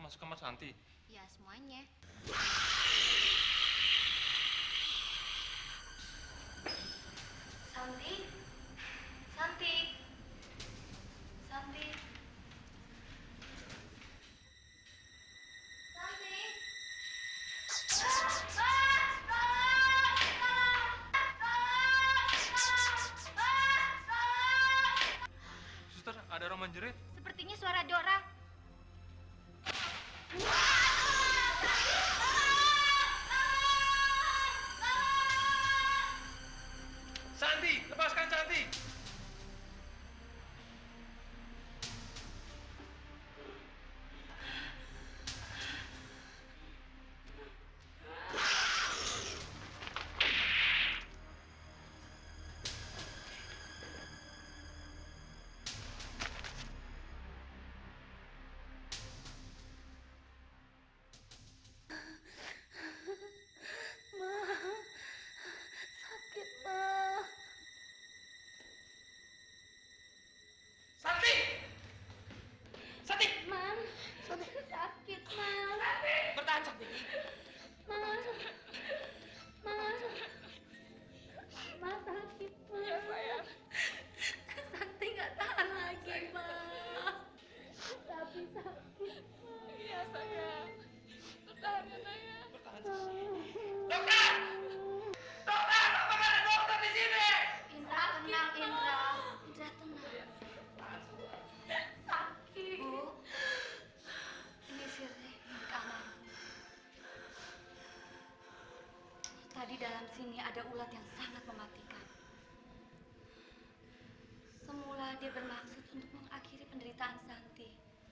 semula dia bermaksud untuk mengakhiri penderitaan santi